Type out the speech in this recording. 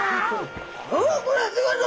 「おおこれはすごいぞ！